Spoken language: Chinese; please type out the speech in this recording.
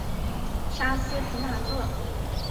沙斯皮纳克。